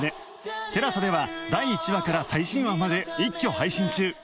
ＴＥＬＡＳＡ では第１話から最新話まで一挙配信中